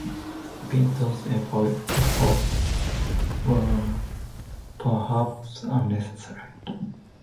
Pinto's efforts were perhaps unnecessary.